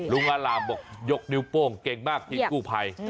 ลุงอลามบอกยกนิ้วโป้งเก่งมากที่กู้ไพ